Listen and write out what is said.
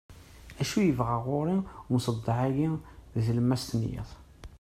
acu yebɣa ɣur-i umseḍḍeɛ-agi deg tlemmast n yiḍ